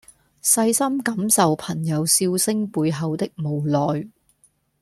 細心感受朋友笑聲背後的無奈